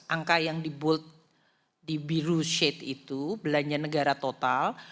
angka yang di biru shade itu belanja negara total